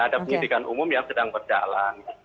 ada penyidikan umum yang sedang berjalan